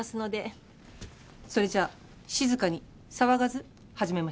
それじゃあ静かに騒がず始めましょう。